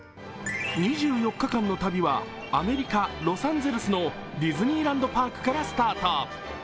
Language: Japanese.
２４日間の旅は、アメリカ・ロサンゼルスのディズニーランドパークからスタート。